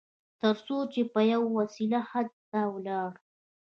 تر څو چې په یوه وسیله حج ته ولاړ.